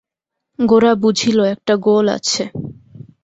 গোরা বুঝিল, একটা গোল আছে।